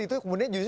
itu kemudian justru